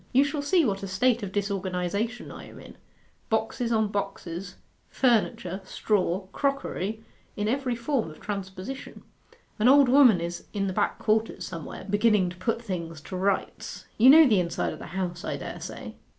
'You shall see what a state of disorganization I am in boxes on boxes, furniture, straw, crockery, in every form of transposition. An old woman is in the back quarters somewhere, beginning to put things to rights.... You know the inside of the house, I dare say?